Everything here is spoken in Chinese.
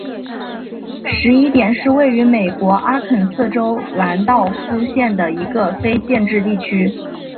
十一点是位于美国阿肯色州兰道夫县的一个非建制地区。